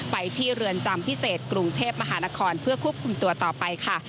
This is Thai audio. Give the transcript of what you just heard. ไปที่เรือนจำพิเศษกรุงเทพมหานครเพื่อควบคุมตัวต่อไปค่ะ